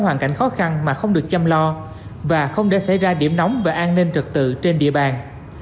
hoàn cảnh khó khăn mà không được chăm lo và không để xảy ra điểm nóng về an ninh trật tự trên địa bàn